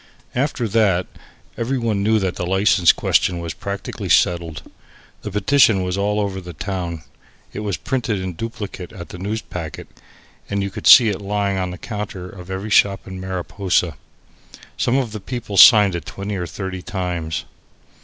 After that, every one knew that the license question was practically settled. The petition was all over the town. It was printed in duplicate at the Newspacket and you could see it lying on the counter of every shop in Mariposa. Some of the people signed it twenty or thirty times.